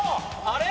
あれ？